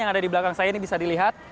yang ada di belakang saya ini bisa dilihat